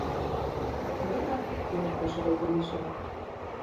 Лена туныктышо деке лишеме